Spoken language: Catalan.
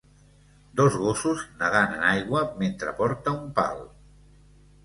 Dos gossos nedant en aigua mentre porta un pal